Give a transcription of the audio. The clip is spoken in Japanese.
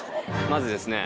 まずですね